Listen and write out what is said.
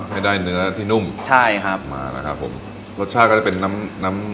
ให้ได้เนื้อที่นุ่มมาละครับรสชาติก็จะเป็นน้ำ